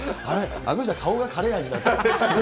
あの人、顔がカレー味だって。